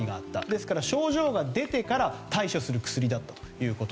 ですから症状が出てから対処する薬だったと。